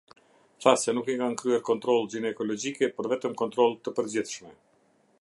Tha se nuk i kanë kryer kontroll gjinekologjike, por vetëm kontroll të përgjithshme.